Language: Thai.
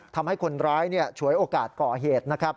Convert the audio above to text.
ทำให้คนร้ายฉวยโอกาสก่อเหตุนะครับ